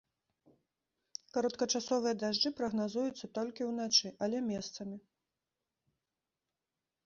Кароткачасовыя дажджы прагназуюцца толькі ўначы, але месцамі.